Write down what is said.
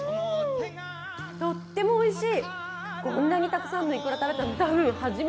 とってもおいしい。